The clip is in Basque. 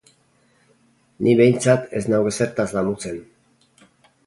Ni behintzat ez nauk ezertaz damutzen.